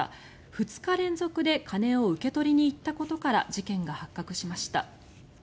２日連続で金を受け取りに行ったことから事件が発覚しました。